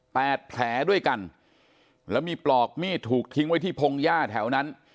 แผลด้วยกันแล้วมีปลอกมีดถูกทิ้งไว้ที่พงหญ้าแถวนั้น